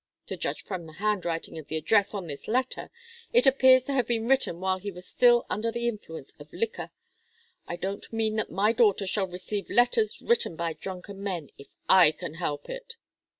To judge from the handwriting of the address on this letter, it appears to have been written while he was still under the influence of liquor. I don't mean that my daughter shall receive letters written by drunken men, if I can help it."